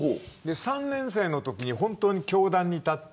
３年生のときに本当に教壇に立って。